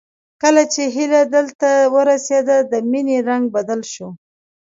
کله چې هيله دلته ورسېده د مينې رنګ بدل شو